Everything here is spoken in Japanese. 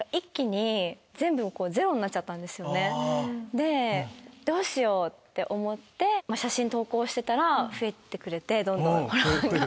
でどうしよう？って思って写真投稿してたら増えてどんどんフォロワーが。